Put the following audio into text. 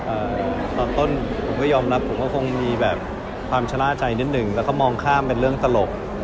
ตอนต้นผมก็ยอมรับผมก็คงมีแบบความชะล่าใจนิดหนึ่งแล้วก็มองข้ามเป็นเรื่องตลก